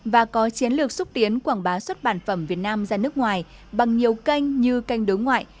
và có chiến lược xúc tiến quảng bá xuất bản phẩm việt nam ra nước ngoài bằng nhiều kênh như kênh đối ngoại